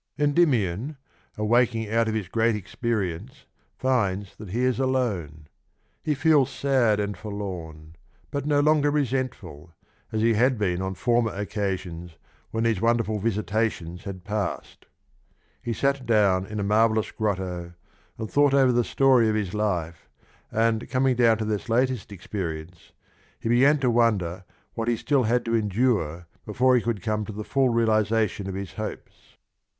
Endymion, awaking out of his great experience, finds that he is alone. He feels sad and forlorn, but no 1 Ah, thou wilt s1rnl Away from iiio agaiu, indeed. (II. 745) 45 longer resentful, as he had been on former occasions when these wonderful visitations had passed. He sat down in a marvellous grotto and thought over the story of his life, and coming down to this latest experience he began to wonder what he still had to endure before he could come to the full realisation of his hopes.